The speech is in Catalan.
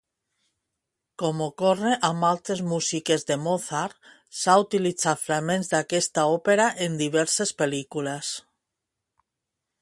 Com ocorre amb altres músiques de Mozart, s'han utilitzat fragments d'aquesta òpera en diverses pel·lícules.